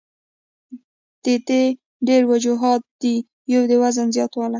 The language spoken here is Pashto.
د دې ډېر وجوهات دي يو د وزن زياتوالے ،